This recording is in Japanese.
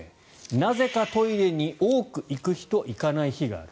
なぜかトイレに多く行く日と行かない日がある。